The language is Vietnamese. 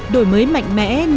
đổi mới mạnh mẽ